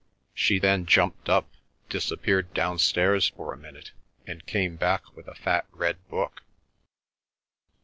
She then jumped up, disappeared downstairs for a minute, and came back with a fat red book.